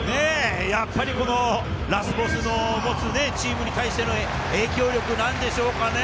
やっぱりこのラスボスの持つチームに対しての影響力なんでしょうかね。